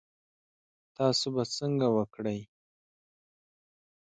تاسو به څنګه وکړی؟